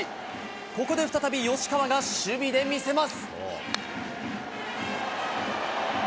ここで再び吉川が守備で見せます。